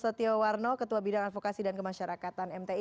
setio warno ketua bidang advokasi dan kemasyarakatan mti